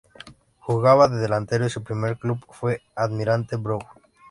Jugaba de delantero y su primer club fue Almirante Brown.